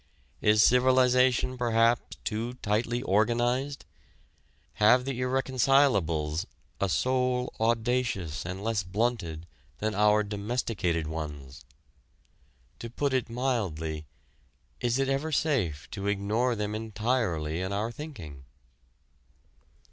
Is civilization perhaps too tightly organized? Have the irreconcilables a soul audacious and less blunted than our domesticated ones? To put it mildly, is it ever safe to ignore them entirely in our thinking?